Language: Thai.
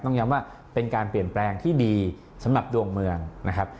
ย้ำว่าเป็นการเปลี่ยนแปลงที่ดีสำหรับดวงเมืองนะครับ